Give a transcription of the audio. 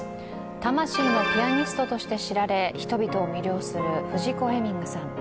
魂のピアニストとして知られ人々を魅了するフジコ・ヘミングさん。